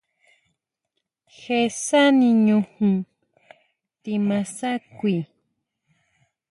Je sani ñujún timaa sá kui.